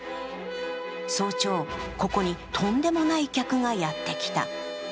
早朝、ここにとんでもない客がやって来た。